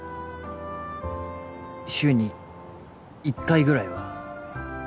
週に一回ぐらいは